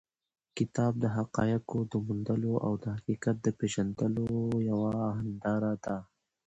کتاب د حقایقو د موندلو او د حقیقت د پېژندلو یوه هنداره ده.